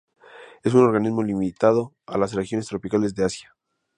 Es un organismo limitado a las regiones tropicales de Asia.